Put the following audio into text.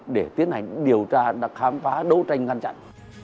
để tiến hành điều tra khám phá đấu tranh ngăn chặn